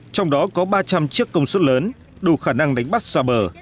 trong đó có ba trăm linh chiếc công suất lớn đủ khả năng đánh bắt xa bờ